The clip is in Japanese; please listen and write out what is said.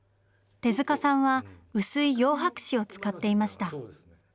手さんは薄い洋白紙を使っていました。